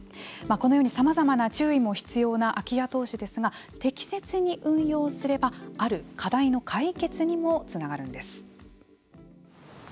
このようにさまざまな注意も必要な空き家投資ですが適切に運用すればある課題の解決にもつながるんです。